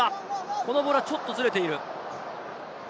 このボールはちょっとずれている。